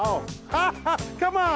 ハッハッカモン！